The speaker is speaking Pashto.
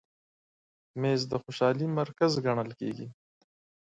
مېز د خوشحالۍ مرکز ګڼل کېږي.